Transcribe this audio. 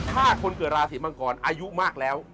ถ้าคนเกิดราศีมังกรอายุมากแล้ว